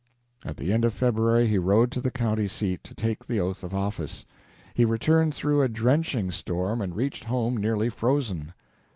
At the end of February he rode to the county seat to take the oath of office. He returned through a drenching storm and reached home nearly frozen.